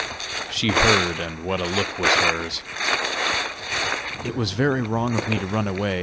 She heard, and what a look was hers! "It was very wrong of me to run away!"